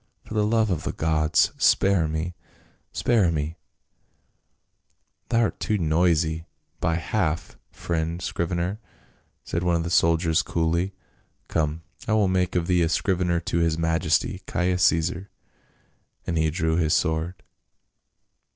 For the love of the gods, spare me ! spare me !" "Thou'rt too noisy by half, friend scrivener," said one of the soldiers coolly. " Come, I will make of thee a scrivener to his majesty, Caius Caesar," and he drew his sword.